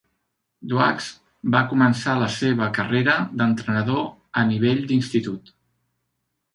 Duax va començar la seva carrera d'entrenador a nivell d'institut.